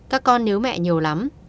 các con nếu mẹ nhiều lắm